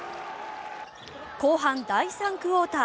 後半第３クオーター。